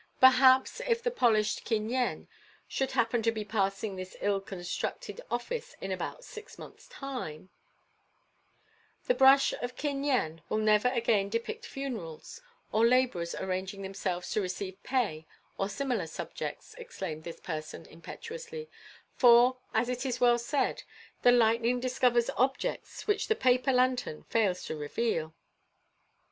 Perhaps if the polished Kin Yen should happen to be passing this ill constructed office in about six months' time " "The brush of Kin Yen will never again depict funerals, or labourers arranging themselves to receive pay or similar subjects," exclaimed this person impetuously, "for, as it is well said, 'The lightning discovers objects which the paper lantern fails to reveal.